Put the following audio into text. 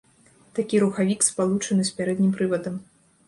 Такі рухавік спалучаны з пярэднім прывадам.